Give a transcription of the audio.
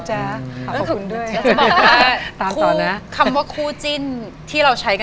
ตรงหลังต้องแบบมีแปะที่ไหนก็ค่ะ